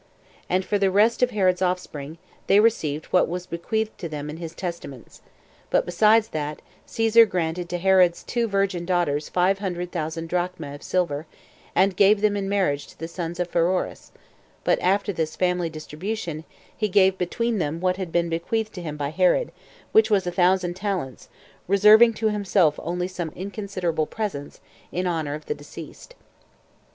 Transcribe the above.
And for the rest of Herod's offspring, they received what was bequeathed to them in his testaments; but, besides that, Caesar granted to Herod's two virgin daughters five hundred thousand [drachmae] of silver, and gave them in marriage to the sons of Pheroras: but after this family distribution, he gave between them what had been bequeathed to him by Herod, which was a thousand talents, reserving to himself only some inconsiderable presents, in honor of the deceased.